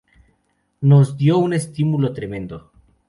Nos dio un estímulo tremendo.